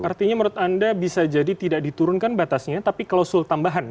artinya menurut anda bisa jadi tidak diturunkan batasnya tapi klausul tambahan